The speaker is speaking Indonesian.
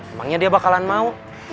emangnya dia bakalan mau